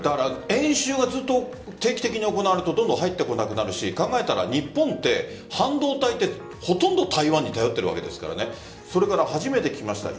演習がずっと定期的に行われるとどんどん入ってこなくなるし考えたら日本って半導体はほとんど台湾に頼っているわけですからそれから初めて聞きました